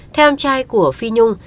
theo em trai của phi nhung